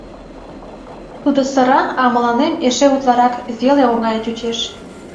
Тудо сыра, а мыланем эше утларак веле оҥайын чучеш.